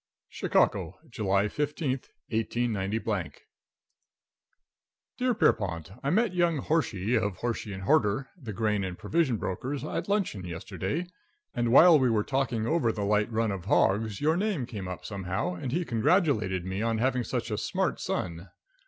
|++ XIV CHICAGO, July 15, 189 Dear Pierrepont: I met young Horshey, of Horshey & Horter, the grain and provision brokers, at luncheon yesterday, and while we were talking over the light run of hogs your name came up somehow, and he congratulated me on having such a smart son.